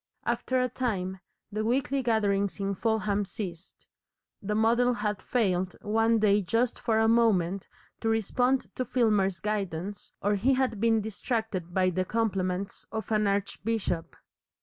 After a time, the weekly gatherings in Fulham ceased. The model had failed one day just for a moment to respond to Filmer's guidance, or he had been distracted by the compliments of an archbishop.